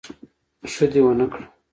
ښه دي ونکړه